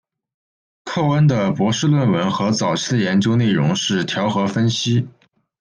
寇恩的博士论文和早期的研究内容是调和分析。